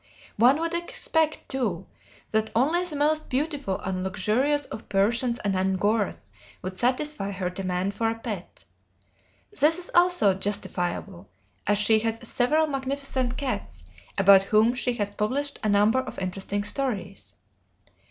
One would expect, too, that only the most beautiful and luxurious of Persians and Angoras would satisfy her demand for a pet. This is also justifiable, as she has several magnificent cats, about whom she has published a number of interesting stories.